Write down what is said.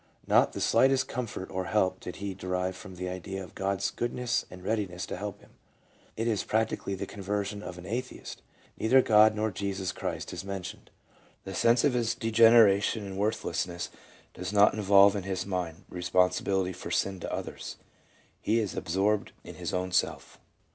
Not the slightest comfort or help did he derive from the idea of God's goodness and readiness to help him. It is prac tically the conversion of an atheist : neither God nor Jesus Christ is mentioned. The sense of his degradation and worth lessness does not involve in his mind responsibility for sin to others ; he is absorbed in his own self.